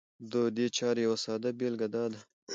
د دې چارې يوه ساده بېلګه دا ده